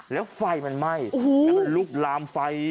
แล้วไฟมันไหม้แล้วมันลุกลามไฟ